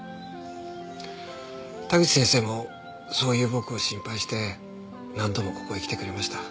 田口先生もそういう僕を心配して何度もここへ来てくれました。